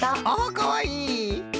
あかわいい！